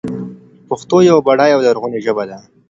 پښتو يوه بډايه او لرغونې ژبه ده.